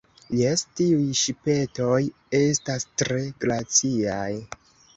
Jes, tiuj ŝipetoj estas tre graciaj.